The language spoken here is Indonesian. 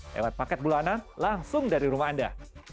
lewat paket bulanan langsung dari rumah anda